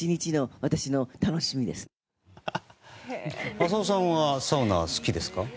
浅尾さんはサウナ、好きですか？